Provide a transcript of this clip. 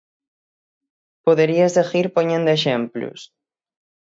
Podería seguir poñendo exemplos.